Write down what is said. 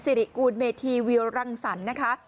ริกูลเมธีวิวรังสรรค์นะคะ